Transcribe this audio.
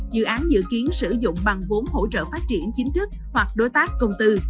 dự án dự kiến sử dụng bằng vốn hỗ trợ phát triển chính thức hoặc đối tác công tư